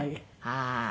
はい。